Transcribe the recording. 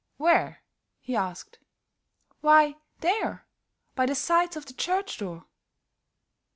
"Where?" he asked. "Why, there, by the sides of the church door."